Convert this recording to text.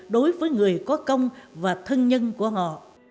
đối với người có công và thân nhân của họ